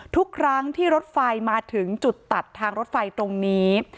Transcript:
ทุกครั้งที่รถไฟมาถึงจุดตัดทางรถไฟตรงนี้